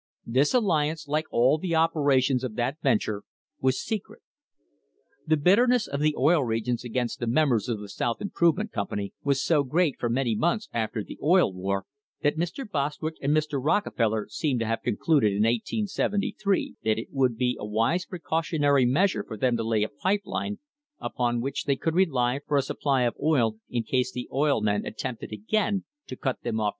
This alliance, like all the operations of that ven ture, was secret. The bitterness of the Oil Regions against the members of the South Improvement Company was so great for many months after the Oil War that Mr. Bostwick and Mr. Rockefeller seem to have concluded in 1873 that it would be a wise precautionary measure for them to lay a pipe line upon which they could rely for a supply of oil in case the oil men attempted again to cut them of!